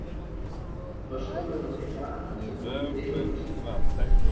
Pastor que no té ca, se'n riu d'ell el bestiar.